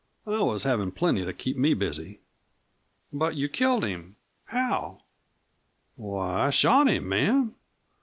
I was havin' plenty to keep me busy." "But you killed him. How?" "Why I shot him, ma'am.